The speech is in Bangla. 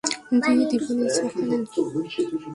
ধুয়ে দিবোনে, চা খাবেন?